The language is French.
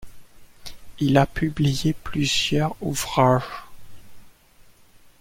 Il a publié plusieurs ouvrages.